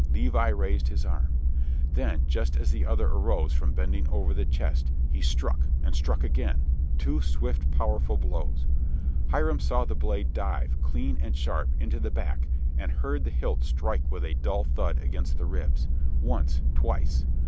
Levi raised his arm. Then, just as the other arose from bending over the chest, he struck, and struck again, two swift, powerful blows. Hiram saw the blade drive, clean and sharp, into the back, and heard the hilt strike with a dull thud against the ribs once, twice.